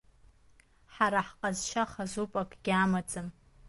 Ҳара ҳҟазшьа хазуп, акгьы амаӡам…